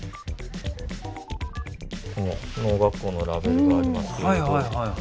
この農学校のラベルがありますけれど。